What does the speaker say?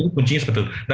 itu kuncinya sebetulnya